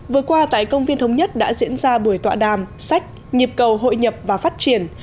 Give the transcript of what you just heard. vừa qua tại công viên thống nhất đã diễn ra buổi tọa đàm sách nhịp cầu hội nhập và phát triển